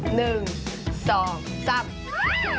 หนึ่งสองสาม